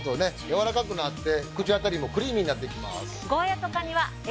柔らかくなって口当たりもクリーミーになっていきます。